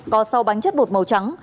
có sáu bánh chất bột màu trắng